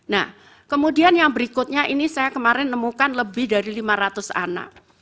nah kemudian yang berikutnya ini saya kemarin nemukan lebih dari lima ratus anak